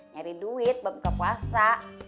nyari duit bakal buka puasa